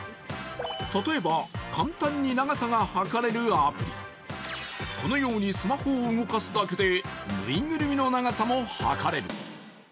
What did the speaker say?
例えば、簡単に長さが測れるアプリこのようにスマホを動かすだけで縫いぐるみの長さも測れる。